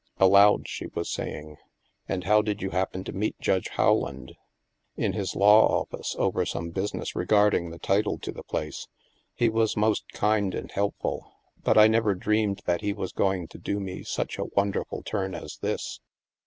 Aloud, she was asking :" And how did you happen to meet Judge How land?" In his law office, over some business regarding the title to the place. He was most kind and help ful. But I never dreamed that he was going to do me such a wonderful turn as this."